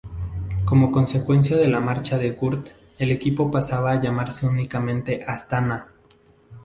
Como consecuencia de la marcha de Würth, el equipo pasaba a llamarse únicamente Astana.